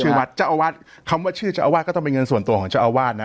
วัดเจ้าอาวาสคำว่าชื่อเจ้าอาวาสก็ต้องเป็นเงินส่วนตัวของเจ้าอาวาสนะ